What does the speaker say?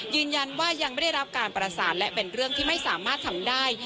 ยืนยันว่ายังไม่ได้รับการประสานและเป็นเรื่องที่ไม่สามารถทำได้